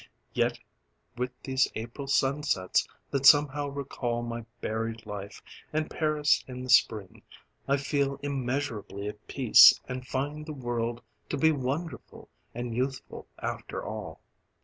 "Yet with these April sunsets, that somehow recall My buried life, and Paris in the Spring, I feel immeasurably at peace, and find the world To be wonderful and youthful, after all."